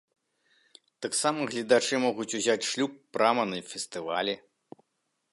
Таксама гледачы могуць узяць шлюб прама на фестывалі.